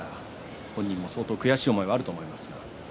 本人も悔しい思いもあるかと思います。